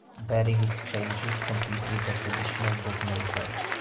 Betting exchanges compete with the traditional bookmaker.